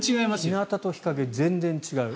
日なたと日陰、全然違う。